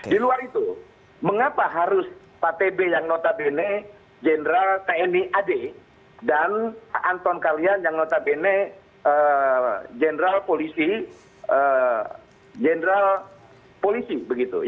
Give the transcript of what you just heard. diluar itu mengapa harus pak t b yang notabene general tni ad dan anton kalian yang notabene general polisi general polisi begitu